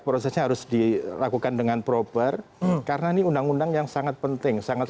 prosesnya harus dilakukan dengan proper karena ini undang undang yang sangat penting sangat